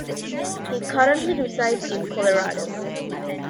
He currently resides in Colorado.